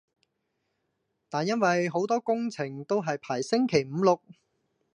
但因為好多工程都係排星期五六